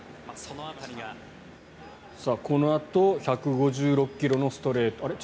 このあと１５６ｋｍのストレート。